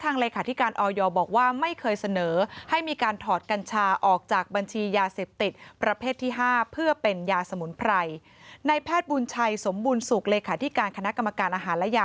ในแพทย์บุญชัยสมบลสุขเลขาธิการคณะกรรมการอาหารและยาฯ